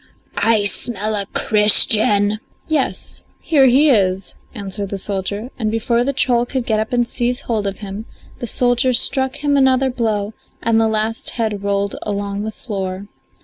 I smell a Christian." "Yes, here he is," answered the soldier, and before the troll could get up and seize hold of him the soldier struck him another blow and the last head rolled along the floor.